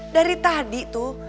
dari tadi tuh